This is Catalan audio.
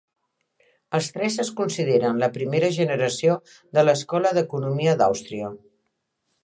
Els tres es consideren la primera generació de l'escola d'economia d'Àustria.